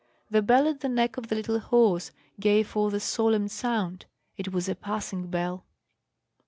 The bell at the neck of the little horse gave forth a solemn sound. It was a passing bell.